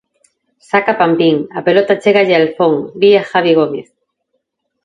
Saca Pampín, a pelota chégalle a Alfón vía Javi Gómez.